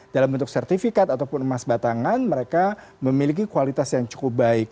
dalam bentuk sertifikat ataupun emas batangan mereka memiliki kualitas yang cukup baik